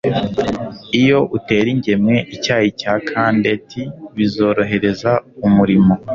Iyo utera ingemwe, icyayi cya kandeti bizorohereza umurimo.